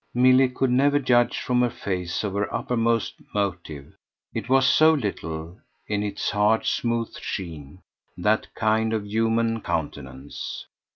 Milly could never judge from her face of her uppermost motive it was so little, in its hard smooth sheen, that kind of human countenance.